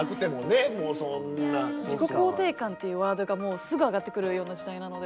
「自己肯定感」っていうワードがもうすぐ上がってくるような時代なので。